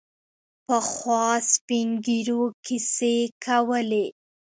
پخوا سپین ږیرو کیسې کولې.